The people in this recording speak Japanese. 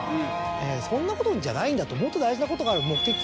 そんなことじゃないんだともっと大事なことがある。